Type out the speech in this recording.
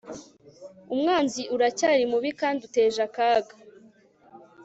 Umwanzi uracyari mubi kandi uteje akaga